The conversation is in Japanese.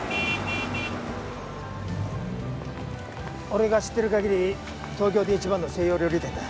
俺が知ってる限り東京で一番の西洋料理店だ。